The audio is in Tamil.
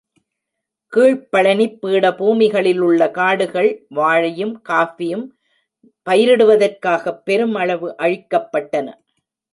கீழ்ப்பழனிப் பீடபூமிகளிலுள்ள காடுகள் வாழையும், காஃபியும் பயிரிடுவதற்காகப் பெரும் அளவு அழிக்கப்பட்டன.